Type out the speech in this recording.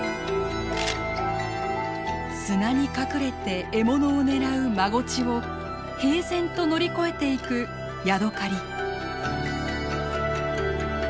砂に隠れて獲物を狙うマゴチを平然と乗り越えていくヤドカリ。